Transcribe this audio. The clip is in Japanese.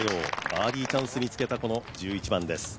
バーディーチャンスにつけたこの１１番です。